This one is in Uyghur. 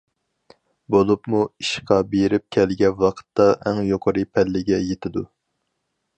بولۇپمۇ ئىشقا بېرىپ كەلگەن ۋاقىتتا ئەڭ يۇقىرى پەللىگە يېتىدۇ.